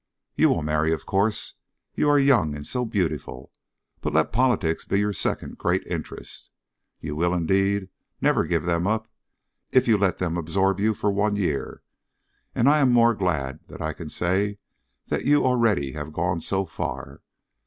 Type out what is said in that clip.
You will marry, of course; you are young and so beautiful; but let politics be your second great interest. You will, indeed, never give them up if you let them absorb you for one year, and I am more glad than I can say that you already have gone so far."